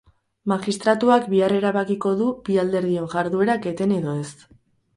Magistratuak bihar erabakiko du bi alderdion jarduerak eten edo ez.